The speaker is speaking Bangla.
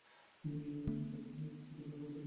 তাঁর প্রাতিষ্ঠানিক শিক্ষা ছিল না বললেই চলে।